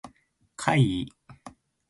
怪異